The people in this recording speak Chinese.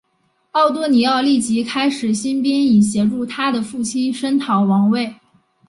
奥多尼奥立即开始兴兵以协助他的父亲声讨王位。